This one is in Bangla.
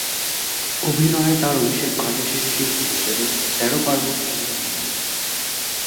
অভিনয়ে তার অভিষেক ঘটে শিশু শিল্পী হিসেবে, তেরো পার্বণ সিরিয়াল নাটকে।